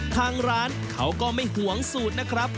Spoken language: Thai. ทางร้านเขาก็ไม่ห่วงสูตรนะครับ